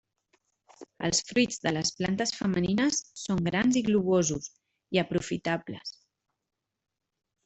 Els fruits de les plantes femenines són grans i globosos, i aprofitables.